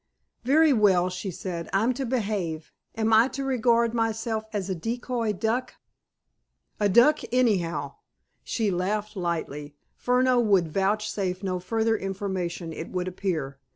"Very well," she said. "I'm to behave. Am I to regard myself as a decoy duck?" "A duck, anyhow." She laughed lightly. Furneaux would vouchsafe no further information, it would appear.